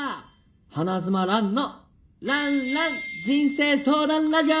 花妻蘭のらんらん人生相談ラジオ！